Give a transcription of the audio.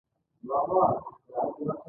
ښه ده چې دننه کور مو ګرم وي اوسمهال.